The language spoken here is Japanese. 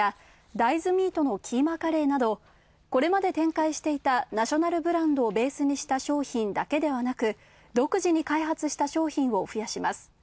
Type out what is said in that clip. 大豆ミートのキーマカレーなどこれまで展開していたナショナルブランドをベースにした商品だけではなく、独自に開発した商品を増やします。